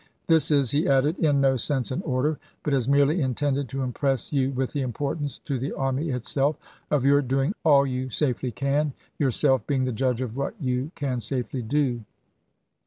"This is," he added, "in no sense an order, but is merely intended to impress you with the importance, to the army itself, of your doing all you safely can, yourself being the aferman? judge of what you can safely do."